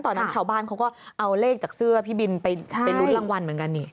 ตอนนั้นชาวบ้านเขาก็เอาเลขจากเสื้อพี่บินไปลุ้นรางวัลเหมือนกันนี่